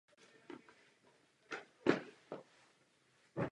Nový občanský zákoník navrátil do českého práva pojem "uvolněná zástava".